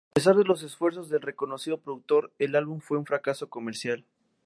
A pesar de los esfuerzos del reconocido productor, el álbum fue un fracaso comercial.